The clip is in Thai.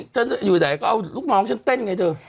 จะอยู่ไหนก็เอาลูกน้องฉันเต้นไงเธอ